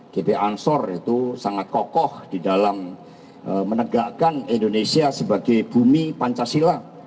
gp ansor itu sangat kokoh di dalam menegakkan indonesia sebagai bumi pancasila